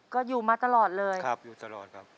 ก็อยู่มาตลอดเลยครับอยู่ตลอดครับ